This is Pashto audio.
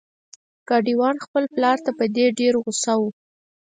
ګاډی وان خپل پلار ته په دې ډیر غوسه و.